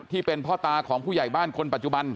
ที่เป็นพ่อตาของผู้ใหญ่บ้านคนปัจจุบัน